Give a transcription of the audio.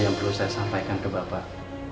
yang perlu saya sampaikan ke bapak